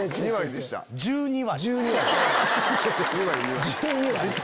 １２割。